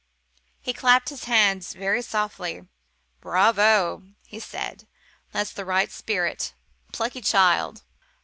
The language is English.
He clapped his hands very softly. "Bravo!" he said; "that's the right spirit. Plucky child!